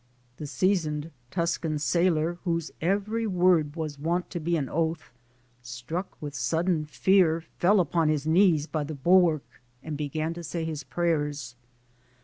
The seasoned Tuscan sailor, whose every word was wont to be an oath, struck with sudden fear, fell upon his knees by the bulwark and began to say his prayers.